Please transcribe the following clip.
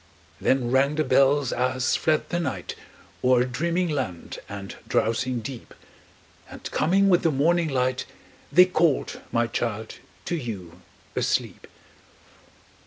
Then rang the bells as fled the night O'er dreaming land and drowsing deep, And coming with the morning light, They called, my child, to you asleep.